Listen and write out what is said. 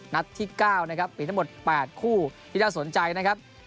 นัดที่๙นะครับมีทั้งหมด๘คู่ที่น่าสนใจนะครับ